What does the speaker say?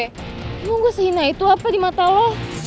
emang gue sehinai tuh apa di mata lo